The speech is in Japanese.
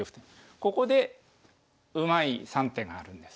ここでうまい３手があるんです。